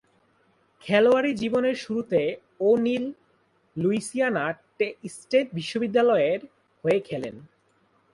খেলোয়াড়ী জীবনের শুরুতে ও'নিল লুইসিয়ানা স্টেট বিশ্ববিদ্যালয়ের হয়ে খেলেন।